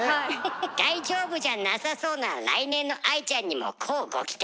大丈夫じゃなさそうな来年の愛ちゃんにも乞うご期待。